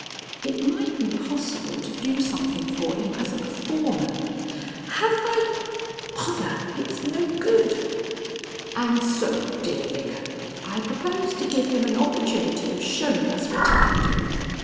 "It might be possible to do something for him as a performer." "Have I (Bother! It's no good!)" "And so, dear Vicar, I propose to give him an opportunity of showing us what he can do.